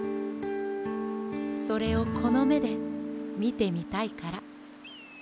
それをこのめでみてみたいからかな。